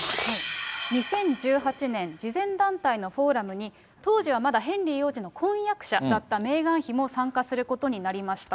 ２０１８年、慈善団体のフォーラムに当時はまだヘンリー王子の婚約者だったメーガン妃も参加することになりました。